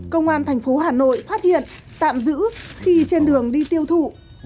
công an tp hcm phát hiện tạm giữ khi trên đường đi tiêu thụ